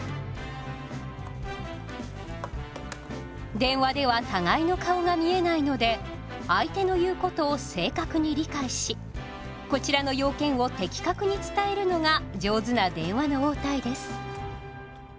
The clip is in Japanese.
電話では互いの顔が見えないので相手の言うことを正確に理解しこちらの要件を的確に伝えるのが上手な電話の応対です。